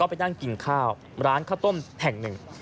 ไปนั่งกินข้าวร้านข้าวต้มแห่งหนึ่ง